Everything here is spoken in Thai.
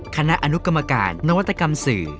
คณะอนุกรรมการนวัตกรรมสื่อ